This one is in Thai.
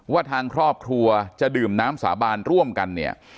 ว่าทางครอบครัวจะดื่มน้ำสาบานร่วมกันเนี่ย